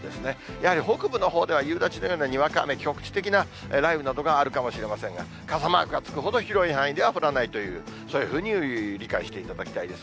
やはり北部のほうでは夕立のようなにわか雨、局地的な雷雨などがあるかもしれませんが、傘マークがつくほど広い範囲では降らないという、そういうふうに理解していただきたいです。